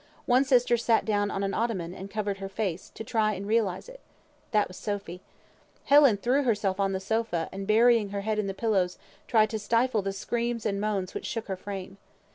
One sister sat down on an ottoman, and covered her face, to try and realise it. That was Sophy. Helen threw herself on the sofa, and burying her head in the pillows, tried to stifle the screams and moans which shook her frame.